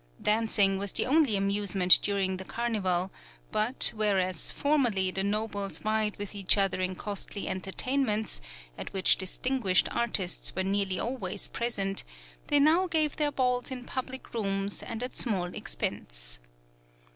Dancing was the only amusement during the carnival, but, whereas, formerly the nobles vied with each other in costly entertainments, at which distinguished artists were nearly always present, they now gave their balls in public rooms and at small expense.